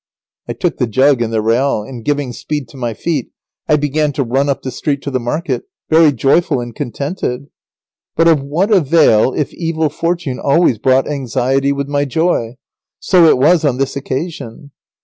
I took the jug and the real, and giving speed to my feet, I began to run up the street to the market, very joyful and contented. But of what avail if evil fortune always brought anxiety with my joy. So it was on this occasion.